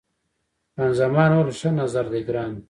خان زمان وویل، ښه نظر دی ګرانه.